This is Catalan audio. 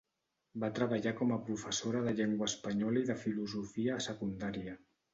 Va treballar com a professora de Llengua Espanyola i de Filosofia a Secundària.